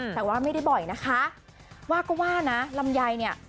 แต่ว่าไม่ได้บ่อยนะคะว่าก็ว่านะลำไยเนี่ย